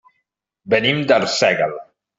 Venim d'Arsèguel.